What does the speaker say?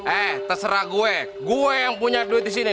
eh terserah gue gue yang punya duit disini